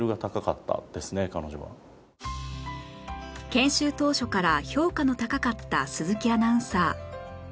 研修当初から評価の高かった鈴木アナウンサー